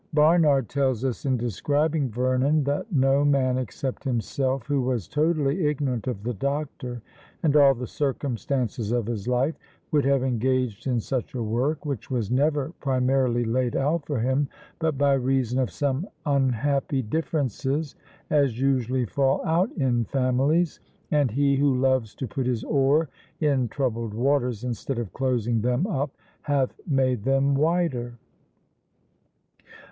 Barnard tells us, in describing Vernon, that "No man, except himself, who was totally ignorant of the doctor, and all the circumstances of his life, would have engaged in such a work, which was never primarily laid out for him, but by reason of some unhappy differences, as usually fall out in families; and he, who loves to put his oar in troubled waters, instead of closing them up, hath made them wider."